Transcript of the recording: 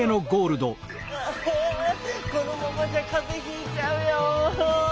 あこのままじゃかぜひいちゃうよ。